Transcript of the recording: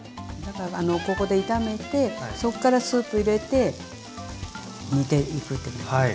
ここで炒めてそっからスープ入れて煮ていくって感じ。